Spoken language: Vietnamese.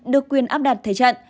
được quyền áp đặt thế trận